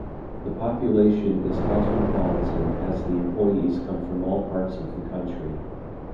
The population is cosmopolitan as the employees come from all parts of the country.